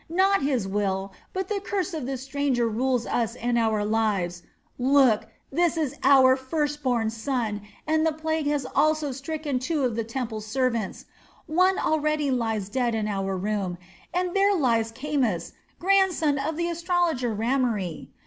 Not his will, but the curse of the stranger rules us and our lives. Look, this was our first born son, and the plague has also stricken two of the temple servants. One already lies dead in our room, and there lies Kamus, grandson of the astrologer Rameri.